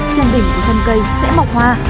trên đỉnh của thần cây sẽ mọc hoa